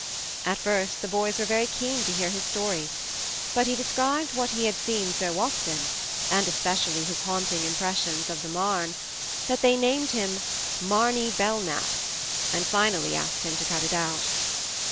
At first the boys were very THE MARNE 37 keen to hear his story, but he described what he had seen so often and especi ally his haunting impressions of the Marne that they named him " Marny Belknap," and finally asked him to cut it out.